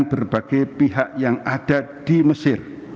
berbagai pihak yang ada di mesir